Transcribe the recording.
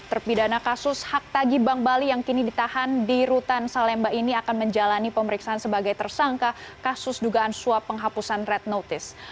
terpidana kasus hak tagi bank bali yang kini ditahan di rutan salemba ini akan menjalani pemeriksaan sebagai tersangka kasus dugaan suap penghapusan red notice